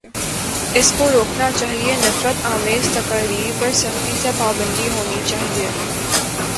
اس کو روکنا چاہیے، نفرت آمیز تقاریر پر سختی سے پابندی ہونی چاہیے۔